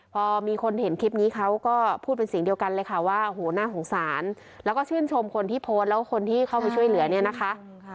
พอมีคนเห็นคลิปนี้เขาก็พูดเป็นเสียงเดียวกันเลยค่ะว่าโหน่าสงสารแล้วก็ชื่นชมคนที่โพสต์แล้วคนที่เข้าไปช่วยเหลือเนี่ยนะคะ